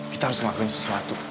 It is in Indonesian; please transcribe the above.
kita harus ngelakuin sesuatu